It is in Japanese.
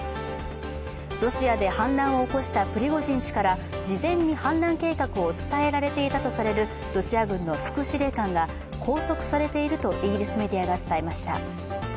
ロシアで反乱を起こしたプリゴジン氏から、事前に反乱計画を伝えられていたとするロシア軍の副司令官が拘束されているとイギリスメディアが伝えました。